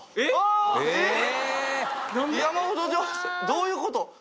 どういうこと？